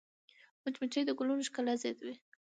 مچمچۍ د ګلونو ښکلا زیاتوي